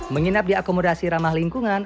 menginap di akomodasi ramah lingkungan